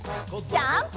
ジャンプ！